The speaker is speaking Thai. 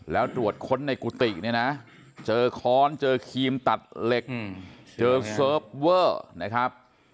แล้วตรวจค้นในกุฏิเนี่ยนะเจอค้อนเจอครีมตัดเหล็กเจอเซิร์ฟเวอร์นะครับ